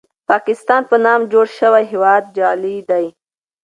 پاکستان په نامه جوړ شوی هېواد جعلي دی.